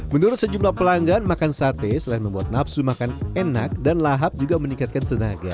menurut sejumlah pelanggan makan sate selain membuat nafsu makan enak dan lahap juga meningkatkan tenaga